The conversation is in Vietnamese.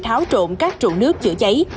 tháo trộm các trụ nước chữa cháy